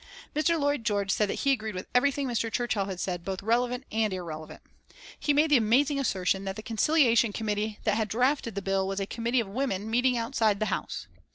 Mr. Lloyd George said that he agreed with everything Mr. Churchill had said "both relevant and irrelevant." He made the amazing assertion that the Conciliation Committee that had drafted the bill was a "committee of women meeting outside the House."